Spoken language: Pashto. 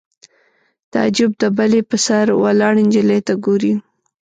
تعجب د بلۍ په سر ولاړې نجلۍ ته ګوري